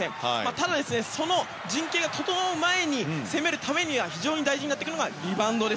ただ、その陣形が整う前に、攻めるためには非常に大事になってくるのがリバウンド。